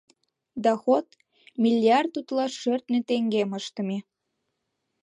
Доход — миллиард утла шӧртньӧ теҥгем ыштыме.